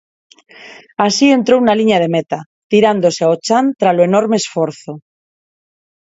Así entrou na liña de meta, tirándose ao chan tralo enorme esforzo.